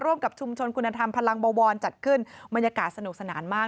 กับชุมชนคุณธรรมพลังบวรจัดขึ้นบรรยากาศสนุกสนานมาก